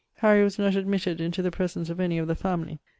Harry was not admitted into the presence of any of the family.